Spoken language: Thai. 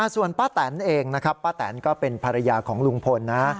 ส่วนป้าแตนเองนะครับป้าแตนก็เป็นภรรยาของลุงพลนะ